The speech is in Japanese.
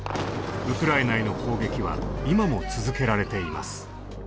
ウクライナへの攻撃は今も続けられています。